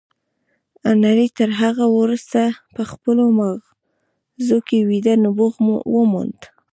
هنري تر هغه وروسته په خپلو ماغزو کې ویده نبوغ وموند